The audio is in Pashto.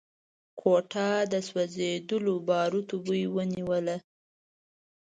کوټه د سوځېدلو باروتو بوی ونيوله.